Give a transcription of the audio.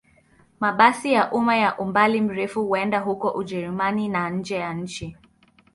Mabasi ya umma ya umbali mrefu huenda huko Ujerumani na nje ya nchi.